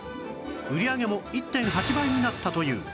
売り上げも １．８ 倍になったという